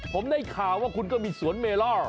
ผมได้ข่าวว่าคุณก็มีสวนเมลอ